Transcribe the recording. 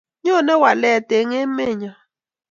nyone walet en emet nyo